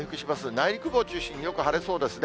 内陸部を中心によく晴れそうですね。